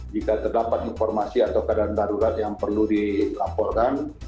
jika terdapat informasi atau keadaan darurat yang perlu dilaporkan